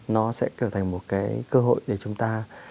nó sẽ trở thành một cái cơ hội để chúng ta